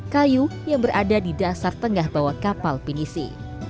kayu yang berada di dasar tengah bawah kapal pinisi